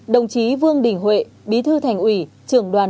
bốn đồng chí vương đình huệ bí thư thành ủy trưởng đồng chí